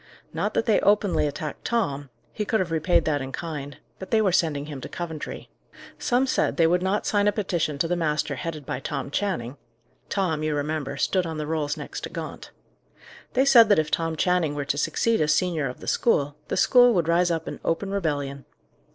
Not that they openly attacked Tom; he could have repaid that in kind; but they were sending him to Coventry. Some said they would not sign a petition to the master headed by Tom Channing: Tom, you remember, stood on the rolls next to Gaunt. They said that if Tom Channing were to succeed as senior of the school, the school would rise up in open rebellion.